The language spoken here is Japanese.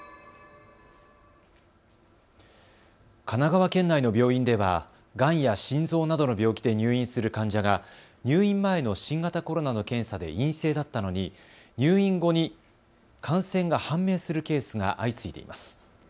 神奈川県内の病院ではがんや心臓などの病気で入院する患者が入院前の新型コロナの検査で陰性だったのに入院後に感染が判明するケースが相次いでいます。